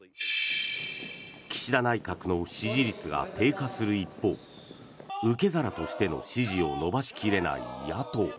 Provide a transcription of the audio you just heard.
岸田内閣の支持率が低下する一方受け皿としての支持を伸ばし切れない野党。